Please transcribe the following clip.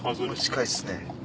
近いっすね。